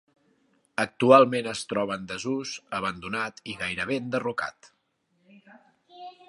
Actualment es troba en desús, abandonat i gairebé enderrocat.